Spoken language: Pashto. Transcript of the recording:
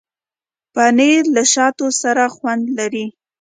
پنېر له شاتو سره خوند لري.